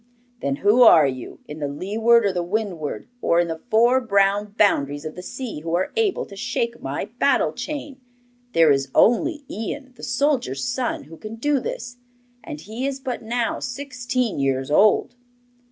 'Then who are you in the leeward, or the windward, or in the four brown boundaries of the sea, who are able to shake my battle chain? There is only Ian, the soldier's son, who can do this, and he is but now sixteen years old.